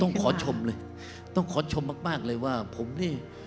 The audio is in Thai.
ต้องขอชมเลยต้องขอชมมากมากเลยว่าผมนี่